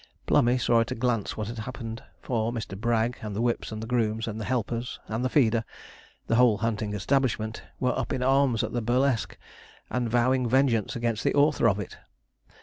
Plummey saw at a glance what had happened; for Mr. Bragg, and the whips, and the grooms, and the helpers, and the feeder the whole hunting establishment were up in arms at the burlesque, and vowing vengeance against the author of it.